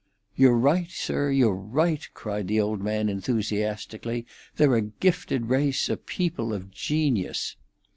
"You're right, sir—you're right," cried the old man enthusiastically. "They're a gifted race, a people of genius."